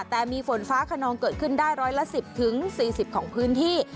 แต่มีฝนฟ้าขนองเกิดขึ้นได้ร้อยละ๑๐๔๐ของพื้นที่